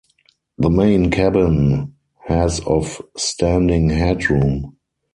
The main cabin has of standing headroom.